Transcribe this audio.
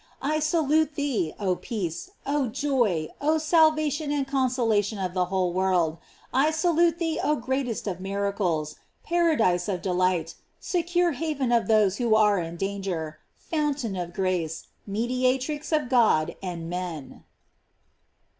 I salute thee, oh peace! oh joy! oh salva tion and consolation of the whole world! I sal ute thee oh greatest of miracles! paradise of de light! secure haven of those who are in danger! fountain of grace! mediatrix of God and men!